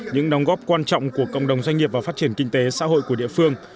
những đóng góp quan trọng của cộng đồng doanh nghiệp và phát triển kinh tế xã hội của địa phương